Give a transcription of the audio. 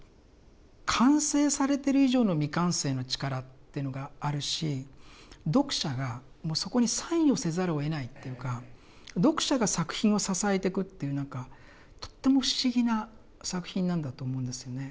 完成されてる以上の未完成の力っていうのがあるし読者がもうそこに参与せざるをえないというか読者が作品を支えてくという何かとっても不思議な作品なんだと思うんですよね。